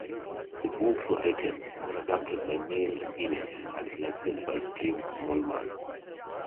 The books were written or adapted by Neil Innes and illustrated by Steve Smallman.